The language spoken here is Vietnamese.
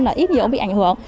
là ít nhiều bị ảnh hưởng